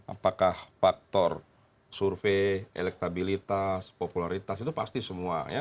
apakah faktor survei elektabilitas popularitas itu pasti semua ya